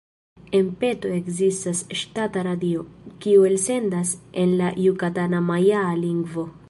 En Peto ekzistas ŝtata radio, kiu elsendas en la jukatana majaa lingvo.